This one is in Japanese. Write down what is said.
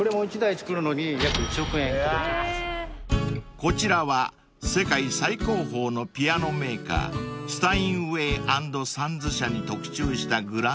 ［こちらは世界最高峰のピアノメーカースタインウェイ＆サンズ社に特注したグランドピアノ］